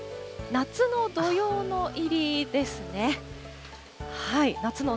夏の土用の入りです。